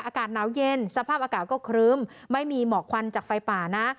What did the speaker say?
อากาศหนาวเย็นสภาพอากาศก็ครึ้มไม่มีหมอกควันจากไฟป่านะ